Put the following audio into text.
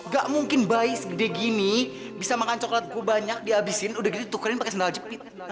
ga mungkin bayi segede gini bisa makan coklat gua banyak diabisin udah gitu tukerin pake sendal jepit